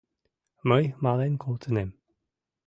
Мый мален колтынем